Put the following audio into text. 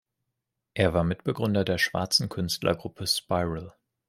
Er war Mitbegründer der schwarzen Künstlergruppe "Spiral".